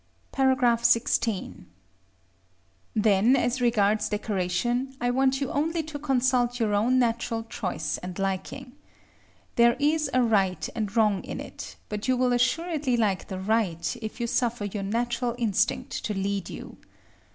§ XVI. Then, as regards decoration, I want you only to consult your own natural choice and liking. There is a right and wrong in it; but you will assuredly like the right if you suffer your natural instinct to lead you.